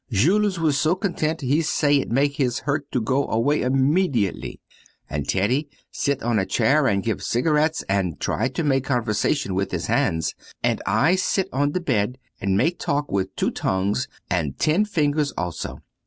Jules was so content he say it make his hurt to go away immediately. And Teddy sit on a chair and give cigarettes and try to make conversation with his hands. And I sit on the bed and make talk with two tongues and ten fingers also.